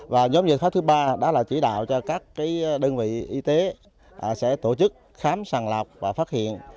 và nhóm giải pháp thứ ba đó là chỉ đạo cho các đơn vị y tế sẽ tổ chức khám sàng lọc và phát hiện